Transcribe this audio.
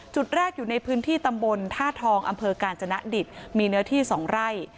จุดแรกอยู่ในพื้นที่ตำบลท่าทองอำเภอกาญจนดิตมีเนื้อที่๒ไร่